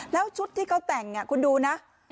แล้วชุดที่เขาแต่งคุณดูนะ